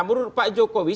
menurut pak jokowi